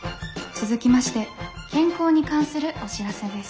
「続きまして健康に関するお知らせです」。